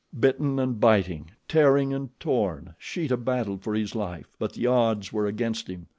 Bitten and biting, tearing and torn, Sheeta battled for his life; but the odds were against him.